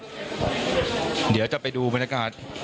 และก็มีเรื่องอำพางซ่อนเล้นศพนะครับก่อนที่จะมีการเข้าชนสูตรนะครับ